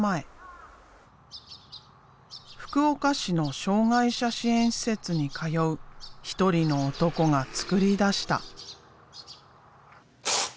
福岡市の障害者支援施設に通う一人の男が作り出した。